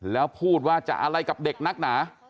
แล้วพูดว่าจะอะไรกับเด็กนักหนา